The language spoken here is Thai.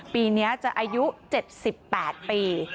ปีนี้จะอายุ๗๘ปี